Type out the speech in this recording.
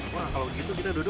wah kalau gitu pindah duduk